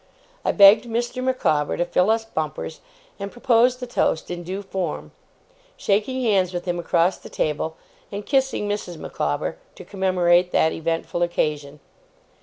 I begged Mr. Micawber to fill us bumpers, and proposed the toast in due form: shaking hands with him across the table, and kissing Mrs. Micawber, to commemorate that eventful occasion.